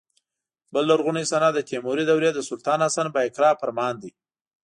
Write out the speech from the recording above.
بل لرغونی سند د تیموري دورې د سلطان حسن بایقرا فرمان دی.